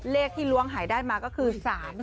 เลขที่หลวงหายได้มาก็คือ๓๐๘ค่ะ